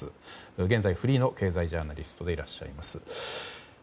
現在フリーの経済ジャーナリストでいらっしゃいます。